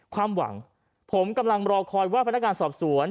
ความหวังผมกำลังรอคอยว่าพนักงานสอบสวน